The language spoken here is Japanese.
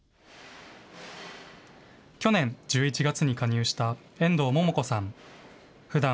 去年１１月に加入した遠藤桃子さん。